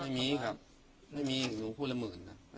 ไม่มีครับไม่มีหนูพูดละหมื่นนะ